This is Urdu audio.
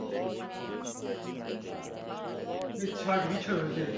چالیس پچاس سالوں میں دنیا کی تقریبا نصف آبادی پر مزدور